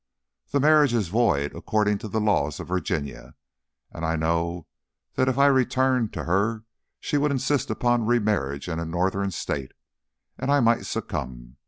The marriage is void according to the laws of Virginia, and I know that if I returned to her she would insist upon remarriage in a Northern State and I might succumb.